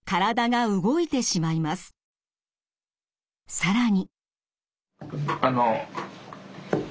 更に。